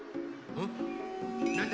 うん？